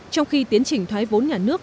trong khi tiến trình thoái vốn nhà nước